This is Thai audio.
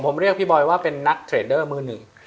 ผมเรียกพี่บอยว่าเป็นนักเทรดเดอร์มือหนึ่ง